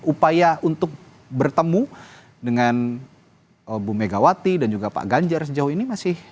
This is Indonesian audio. upaya untuk bertemu dengan ibu megawati dan juga pak ganjar sejauh ini masih